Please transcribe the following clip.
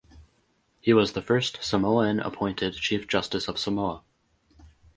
He was the first Samoan appointed Chief Justice of Samoa.